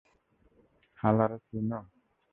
হ্লা রে চিনো?